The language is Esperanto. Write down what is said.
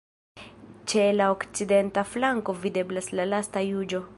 Ĉe la okcidenta flanko videblas la Lasta juĝo.